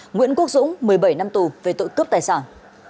nguyễn quốc dũng một mươi bảy năm tù về tội cướp tài sản